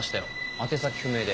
宛先不明で。